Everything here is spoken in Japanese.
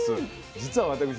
実は私ね